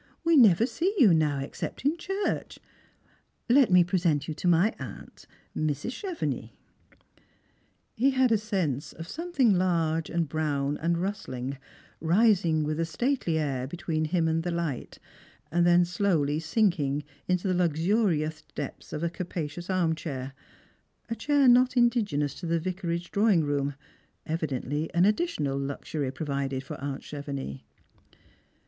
We never set "^ou now, except in church. Let me present you to my aunt, Mrs. Chevenix." He had a sense of something large and brown and i ustling rising with a stately air between him and the light, and then slowly sinking into the luxurious depths of a capacious arm chair ; a chair not indigenous to the vicarage drawing room, evidently an additional luxury provided for aunt Chevenix.